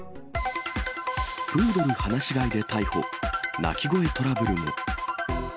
プードル放し飼いで逮捕、鳴き声トラブルも。